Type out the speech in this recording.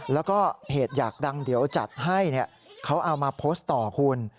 แล้วก็เพจอยากดังเดี๋ยวจัดให้เขาเอามาโพสต์ต่อคุณ